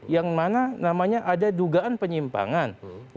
yang mana namanya ada dugaan penyimpangan